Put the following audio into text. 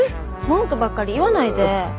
文句ばっかり言わないで。